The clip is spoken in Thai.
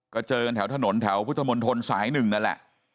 ก็เจอกันแถวถนนแถวพุทธมนตรสาย๑นั่นแหละ